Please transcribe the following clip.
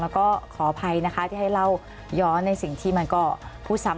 แล้วก็ขออภัยนะคะที่ให้เล่าย้อนในสิ่งที่มันก็พูดซ้ำ